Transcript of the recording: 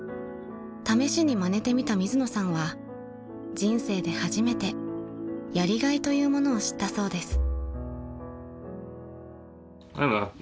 ［試しにまねてみた水野さんは人生で初めてやりがいというものを知ったそうです］